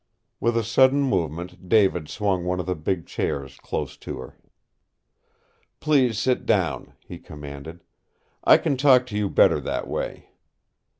With a sudden movement David swung one of the' big chairs close to her. "Please sit down," he commanded. "I can talk to you better that way.